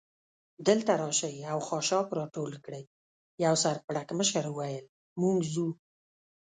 دلته راشئ او خاشاک را ټول کړئ، یوه سر پړکمشر وویل: موږ ځو.